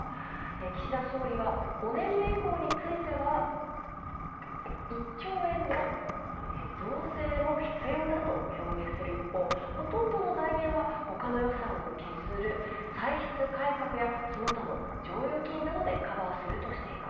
岸田総理は、５年目以降については１兆円の増税も必要だと表明する一方、ほとんどの財源は他の予算を削る歳出改革やその他の剰余金などでカバーするとしています。